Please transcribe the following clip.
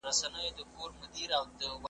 له هر چا یې پټه کړې مدعا وه `